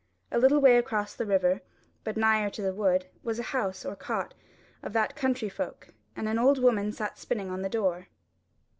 A little way across the river, but nigher to the wood, was a house or cot of that country folk, and an old woman sat spinning in the door.